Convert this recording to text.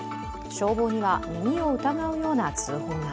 消防には耳を疑うような通報が。